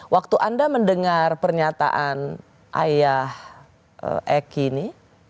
waktu anda mendengar pernyataan ayah eki ini